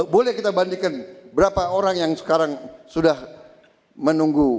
boleh kita bandingkan berapa orang yang sekarang sudah menunggu